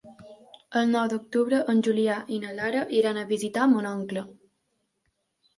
El nou d'octubre en Julià i na Lara iran a visitar mon oncle.